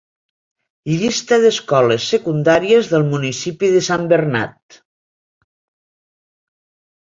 Llista d'escoles secundàries del municipi de Sant Bernat.